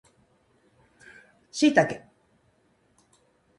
シイタケ